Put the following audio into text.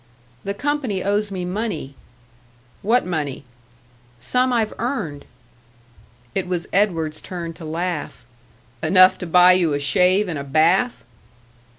"The company owes me money " "What money?" "Some I've earned." It was Edward's turn to laugh. "Enough to buy you a shave and a bath?"